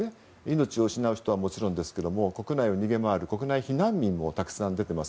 命を失う人はもちろんですが国内を逃げ回る避難民もたくさん出ています。